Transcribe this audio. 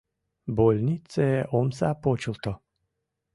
Больнице омса почылто.